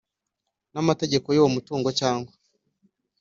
N amategeko y uwo mutungo cyangwa